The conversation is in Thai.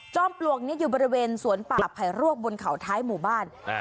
ปลวกนี้อยู่บริเวณสวนป่าไผ่รวกบนเขาท้ายหมู่บ้าน